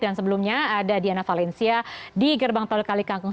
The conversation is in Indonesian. dan sebelumnya ada diana valencia di gerbang tol kalikangkung